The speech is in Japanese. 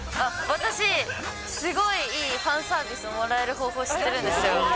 私、すごいいいファンサービスもらえる方法知ってるんですよ。